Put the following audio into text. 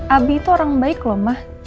abi itu orang baik loh mah